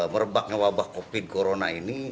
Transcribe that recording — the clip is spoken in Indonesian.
merebaknya wabah covid sembilan belas ini